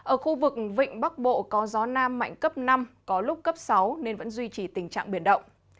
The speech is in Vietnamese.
ở khu vực vịnh bắc bộ có gió nam mạnh cấp năm có lúc cấp sáu nên vẫn duy trì tình trạng biển động